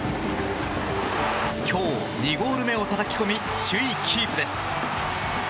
今日２ゴール目をたたき込み首位キープです。